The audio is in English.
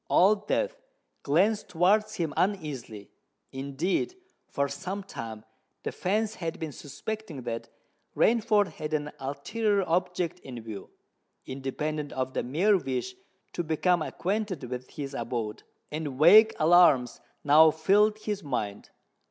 Old Death glanced towards him uneasily. Indeed, for some time the fence had been suspecting that Rainford had an ulterior object in view, independent of the mere wish to become acquainted with his abode; and vague alarms now filled his mind.